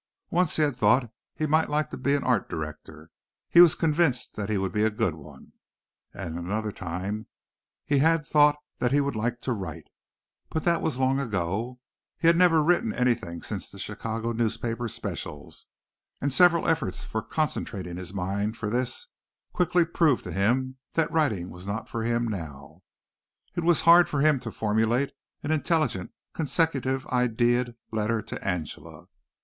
Once he had thought he might like to be an art director; he was convinced that he would be a good one. And another time he had thought he would like to write, but that was long ago. He had never written anything since the Chicago newspaper specials, and several efforts at concentrating his mind for this quickly proved to him that writing was not for him now. It was hard for him to formulate an intelligent consecutive idea'd letter to Angela.